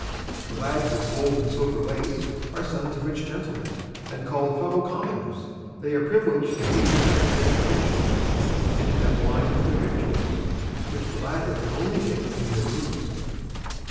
The lads with gold and silver lace are sons of rich gentlemen and called Fellow Commoners; they are privileged to feed better than the pensioners, and to have wine with their victuals, which the latter can only get in their rooms.